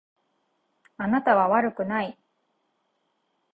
あなたは悪くない。